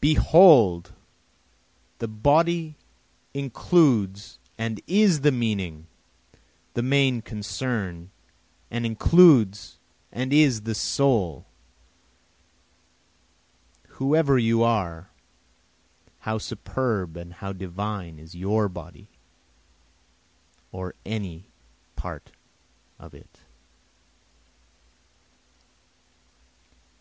Behold, the body includes and is the meaning, the main concern and includes and is the soul; Whoever you are, how superb and how divine is your body, or any part of it!